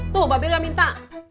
tuh mbak bela minta